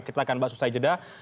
kita akan bahas usai jeda